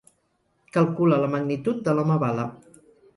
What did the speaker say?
Calcula la magnitud de l'home bala.